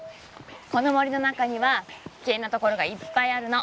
この森の中には危険な所がいっぱいあるの。